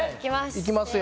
いきますよ。